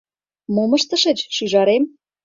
«Мом ыштышыч, шӱжарем?